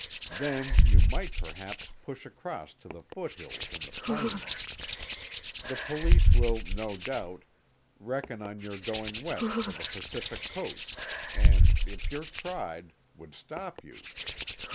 Then you might perhaps push across to the foothills and the plains. The police will, no doubt, reckon on your going west for the Pacific coast, and, if you tried, would stop you.